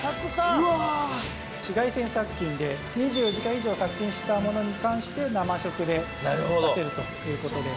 紫外線殺菌で２４時間以上殺菌したものに関して生食で出せるということです